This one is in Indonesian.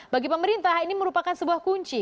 bagi pemerintah ini merupakan sebuah kunci